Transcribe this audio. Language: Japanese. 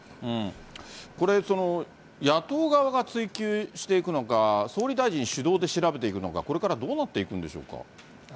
これ、野党側が追及していくのか、総理大臣主導で調べていくのか、これからどうなっていくんでしょ